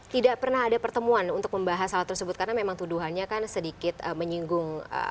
tidak pernah ada pertemuan untuk membahas hal tersebut karena memang tuduhannya kan sedikit menyinggung